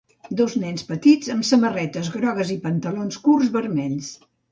Dos nens petits amb samarretes grogues i pantalons curts vermells.